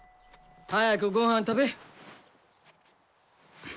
早くごはん食べ！